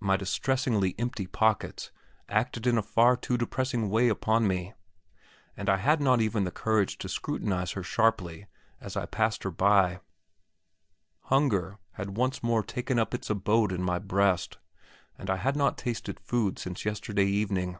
My distressingly empty pockets acted in a far too depressing way upon me, and I had not even the courage to scrutinize her sharply as I passed her by. Hunger had once more taken up its abode in my breast, and I had not tasted food since yesterday evening.